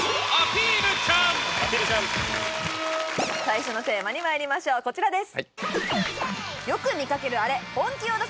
最初のテーマにまいりましょうこちらです